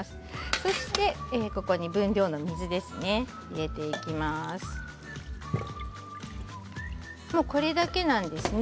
そして、ここに分量の水ですね。